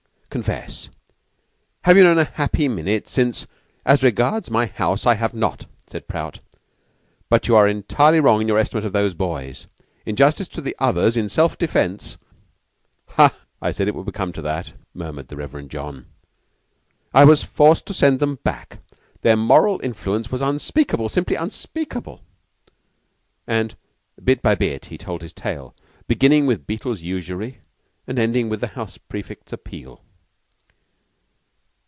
Confess have you known a happy minute since " "As regards my house, I have not," said Prout. "But you are entirely wrong in your estimate of those boys. In justice to the others in self defence " "Ha! I said it would come to that," murmured the Reverend John. " I was forced to send them back. Their moral influence was unspeakable simply unspeakable." And bit by bit he told his tale, beginning with Beetle's usury, and ending with the house prefects' appeal.